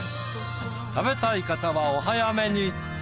食べたい方はお早めに。